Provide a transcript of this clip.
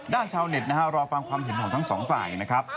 ชาวเน็ตนะฮะรอฟังความเห็นของทั้งสองฝ่ายนะครับ